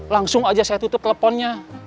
langsung aja saya tutup teleponnya